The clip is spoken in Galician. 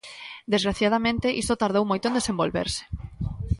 Desgraciadamente, isto tardou moito en desenvolverse.